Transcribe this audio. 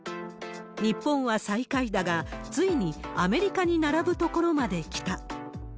日本は最下位だが、ついにアメリカに並ぶところまできた。